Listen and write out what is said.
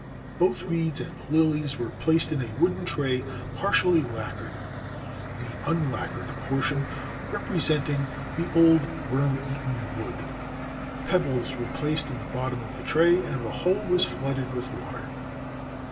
Both reeds and UUes were placed in a wooden tray partially lacquered, the unlacquered portion repre senting old worm eaten wood; pebbles were placed in the bottom of the tray, and the whole was flooded with water.